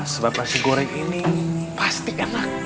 sebab nasi goreng ini pasti kena